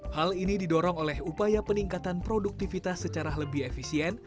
hal ini didorong oleh upaya peningkatan produktivitas secara lebih efisien